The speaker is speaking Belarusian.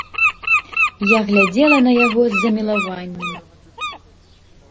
Я глядзела на яго з замілаваннем.